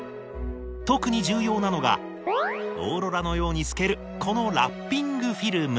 特に重要なのがオーロラのように透けるこのラッピングフィルム。